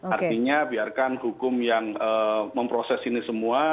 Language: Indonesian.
artinya biarkan hukum yang memproses ini semua